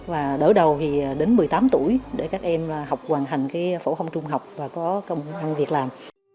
mẹ đỡ đầu đến một mươi tám tuổi để các em học hoàn hẳn phẫu hồng trung học và có công việc làm